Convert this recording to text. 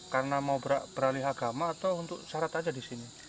karena mau beralih agama atau untuk syarat saja di sini